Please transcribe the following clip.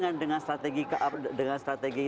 makanya dengan strategi